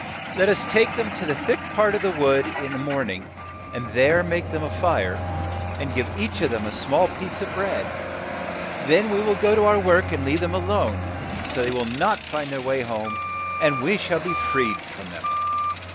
"Let us take them in to the thick part of the wood in the morn ing, and there make them a fire, and give each of them a small piece of bread ; then we will go to our work and leave them a lone, so they will not find the way home, and we shall be freed from them."